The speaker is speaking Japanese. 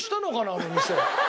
あの店。